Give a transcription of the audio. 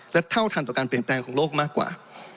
และเท่าทันต่อการเปลี่ยนแปลงของโลกมากกว่า